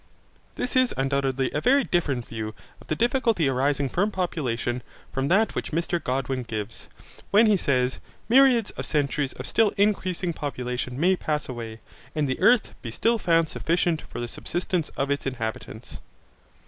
This is undoubtedly a very different view of the difficulty arising from population from that which Mr Godwin gives, when he says, 'Myriads of centuries of still increasing population may pass away, and the earth be still found sufficient for the subsistence of its inhabitants.'